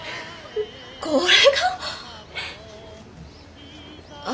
これが？あ。